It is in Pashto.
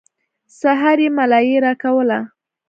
سهار يې ملايي راکوله.